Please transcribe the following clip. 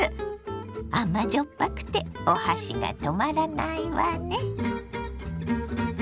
甘じょっぱくてお箸が止まらないわね。